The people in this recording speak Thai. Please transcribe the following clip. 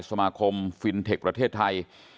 สมาคมฟินเทคประเทศไทย